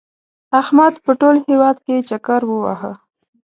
احمد په ټول هېواد کې چکر ووهه.